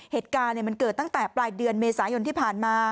เหตุการณ์มันเกิดตั้งแต่ปลายเดือนเมษายนที่ผ่านมา